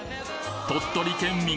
鳥取県民